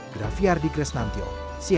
grafiardi kresnantyo cnn indonesia